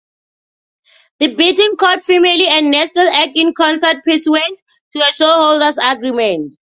The Bettencourt family and Nestle act in concert pursuant to a shareholders' agreement.